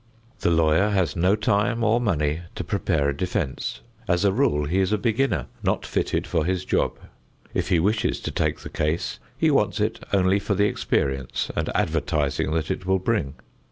The lawyer has no time or money to prepare a defense. As a rule he is a beginner not fitted for his job. If he wishes to take the case, he wants it only for the experience and advertising that it will bring.